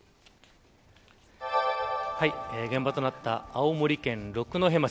現場となった青森県、六戸町。